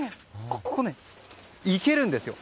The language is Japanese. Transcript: ここ行けるんですよ。